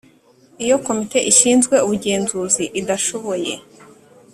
Iyo Komite ishinzwe ubugenzuzi idashoboye